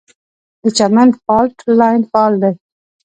د چمن فالټ لاین فعال دی